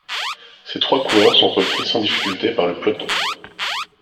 Ces trois coureurs sont repris sans difficulté par le peloton.